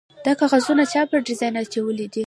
_دا کاغذونه چا پر ډېران اچولي دي؟